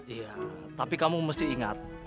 iya tapi kamu mesti ingat